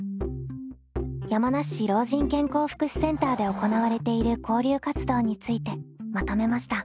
山梨市老人健康福祉センターで行われている交流活動についてまとめました。